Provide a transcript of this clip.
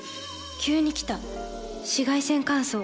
急に来た紫外線乾燥。